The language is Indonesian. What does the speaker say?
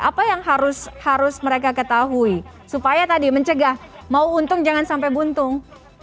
apa yang harus mereka ketahui supaya tadi mencegah mau untung jangan sampai buntung